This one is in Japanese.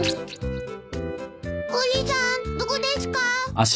栗さんどこですか？